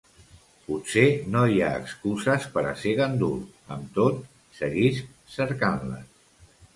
Potser no hi ha excuses per a ser gandul; amb tot, seguisc cercant-les.